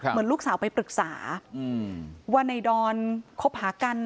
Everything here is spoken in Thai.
เหมือนลูกสาวไปปรึกษาว่าในดอนคบหากัน